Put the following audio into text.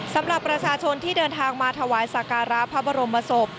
สำหรับประชาชนที่เดินทางมาถวายสักการะพระบรมศพ